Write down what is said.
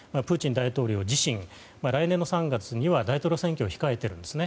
大統領自身来年の３月には大統領選挙を控えているんですね。